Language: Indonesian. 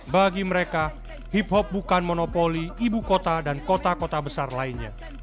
bagi mereka hip hop bukan monopoli ibu kota dan kota kota besar lainnya